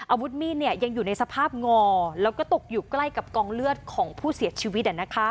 อาวุธมีดยังอยู่ในสภาพงอแล้วก็ตกอยู่ใกล้กับกองเลือดของผู้เสียชีวิต